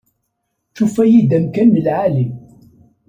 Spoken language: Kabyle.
Tufa-yi-d amkan n lɛali.